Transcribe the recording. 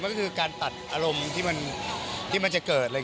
ก็คือการตัดอารมณ์ที่มันจะเกิดอะไร